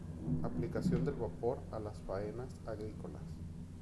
Aplicación del vapor a las faenas agrícolas.